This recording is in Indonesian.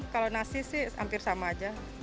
kalau nasi sih hampir sama aja